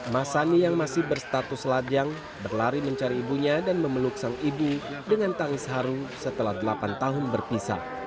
masani yang masih berstatus lajang berlari mencari ibunya dan memeluk sang ibu dengan tangis haru setelah delapan tahun berpisah